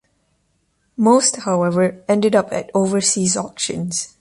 Most, however, ended up at overseas auctions.